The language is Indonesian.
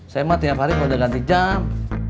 saya mah tiap hari kalau udah ganti jam